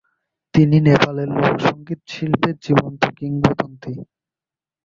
তিনি নেপালের লোক সংগীত শিল্পের জীবন্ত কিংবদন্তি।